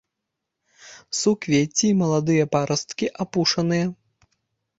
Суквецці і маладыя парасткі апушаныя.